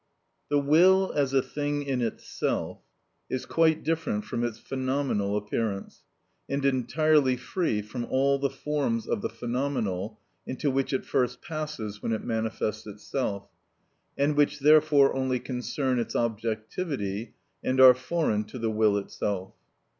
The will as a thing in itself is quite different from its phenomenal appearance, and entirely free from all the forms of the phenomenal, into which it first passes when it manifests itself, and which therefore only concern its objectivity, and are foreign to the will itself.